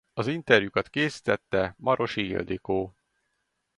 Az interjúkat készítette Marosi Ildikó.